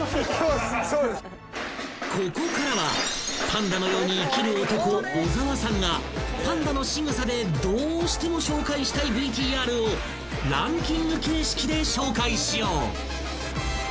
［ここからはパンダのように生きる男小澤さんがパンダのしぐさでどうしても紹介したいＶＴＲをランキング形式で紹介しよう］